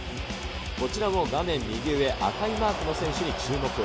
こちらも画面右上、赤いマークの選手に注目。